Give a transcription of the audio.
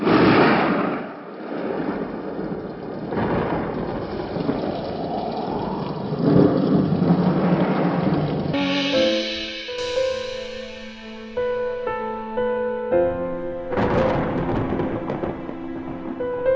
perasaan gue kok enak ya lihat hujan seperti ini